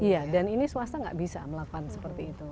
iya dan ini swasta nggak bisa melakukan seperti itu